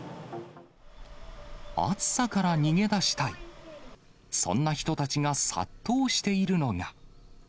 暑さから逃げ出したい、そんな人たちが殺到しているのが。